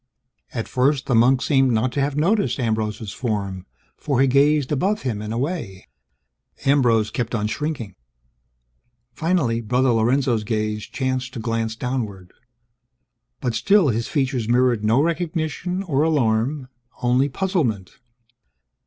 At first, the monk seemed not to have noticed Ambrose's form, for he gazed above him and away. Ambrose kept on shrinking. Finally, Brother Lorenzo's gaze chanced to glance downward. But still, his features mirrored no recognition or alarm; only puzzlement.